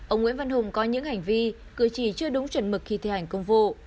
ông nguyễn văn hùng có những hành vi cử chỉ chưa đúng chuẩn mực khi thi hành công vụ